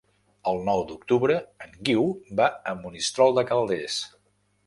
El nou d'octubre en Guiu va a Monistrol de Calders.